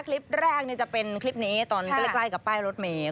คลิปแรกจะเป็นคลิปนี้ตอนใกล้กับป้ายรถเมย์